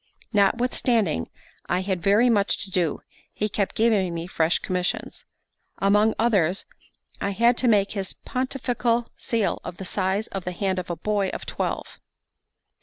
Notwithstanding I had very much to do, he kept giving me fresh commissions. Among others, I had to make his pontifical seal of the size of the hand of a boy of twelve.